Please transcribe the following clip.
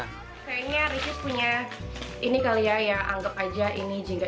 kayaknya ricis punya ini kali ya ya anggap aja ini juga